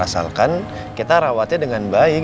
asalkan kita rawatnya dengan baik